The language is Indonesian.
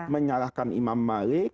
menyalahkan imam malik